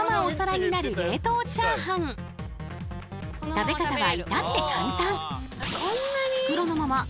食べ方は至って簡単！